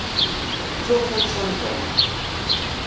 Ttuɣ tansa n Tom.